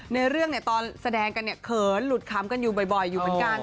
ในเรื่องตอนแสดงกันเนี่ยเขินหลุดคำกันอยู่บ่อยอยู่เหมือนกัน